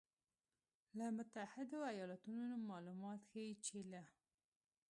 له متحدو ایالتونو مالومات ښیي چې له